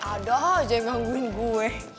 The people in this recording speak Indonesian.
ada aja yang gangguin gue